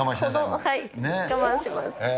はい、我慢します。